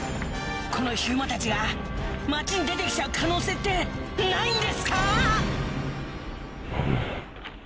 このヒグマたちが街に出て来ちゃう可能性ってないんですか？